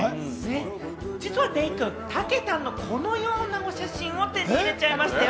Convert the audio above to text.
実はデイくん、たけたんのこのようなお写真を手に入れちゃいましたよ！